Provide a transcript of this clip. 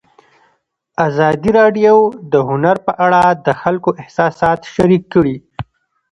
ازادي راډیو د هنر په اړه د خلکو احساسات شریک کړي.